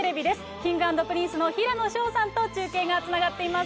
Ｋｉｎｇ＆Ｐｒｉｎｃｅの平野紫耀さんと中継がつながっています。